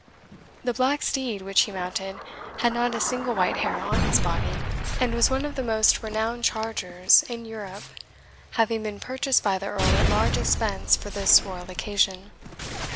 The black steed which he mounted had not a single white hair on his body, and was one of the most renowned chargers in Europe, having been purchased by the Earl at large expense for this royal occasion.